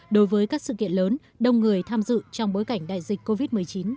đối với các sự kiện lớn đông người tham dự trong bối cảnh đại dịch covid một mươi chín